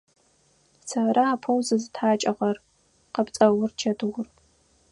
Сэры апэу зызытхьакӏыгъэр! – къэпцӏэугъ Чэтыур.